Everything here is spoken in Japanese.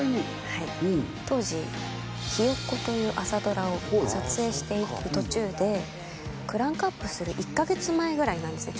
はい当時「ひよっこ」という朝ドラを撮影している途中でクランクアップする１か月前ぐらいなんです